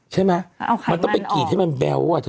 ใช่ไหมมันต้องไปกรีดให้มันแบ๊วอ่ะเธอ